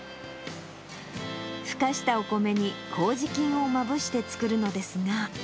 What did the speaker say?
ふかしたお米にこうじ菌をまぶして造るのですが。